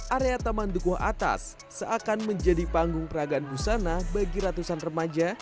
area taman dukuh atas seakan menjadi panggung peragaan busana bagi ratusan remaja